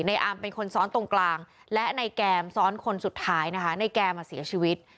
อามเป็นคนซ้อนตรงกลางและในแกมซ้อนคนสุดท้ายนะคะในแกมาเสียชีวิต